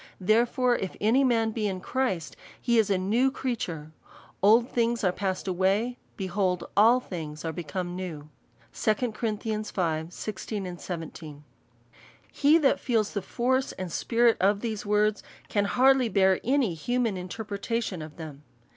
Therefore if any man be in Christ, he is a new creature : old things are passed away ; behold all things are become new." 2 Cor. v. 16. He that feels the force and spirit of these words, can hardly bear any human interpretation of them.